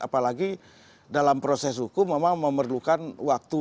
apalagi dalam proses hukum memang memerlukan waktu